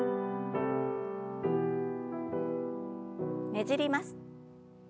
ねじります。